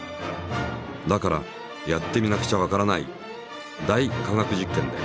だからやってみなくちゃわからない「大科学実験」で。